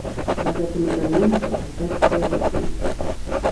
Пра гэта мы дазналіся пасля полудня.